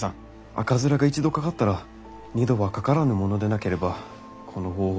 赤面が一度かかったら二度はかからぬものでなければこの方法は。